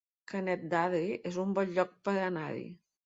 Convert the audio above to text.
Canet d'Adri es un bon lloc per anar-hi